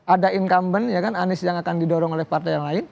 ada incumbent ya kan anies yang akan didorong oleh partai yang lain